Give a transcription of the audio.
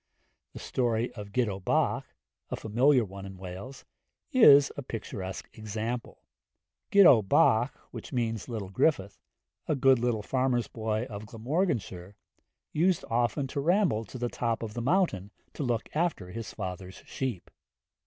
The story of Gitto Bach, a familiar one in Wales, is a picturesque example. Gitto Bach (little Griffith), a good little farmer's boy of Glamorganshire, used often to ramble to the top of the mountain to look after his father's sheep.